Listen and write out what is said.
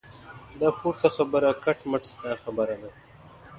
دا پورته خبره کټ مټ ستا خبره ده.